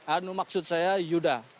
anu maksud saya yuda